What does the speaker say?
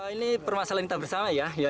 ini permasalahan kita bersama ya